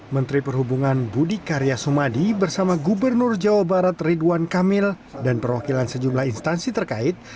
menteri perhubungan budi karya sumadi bersama gubernur jawa barat ridwan kamil dan perwakilan sejumlah instansi terkait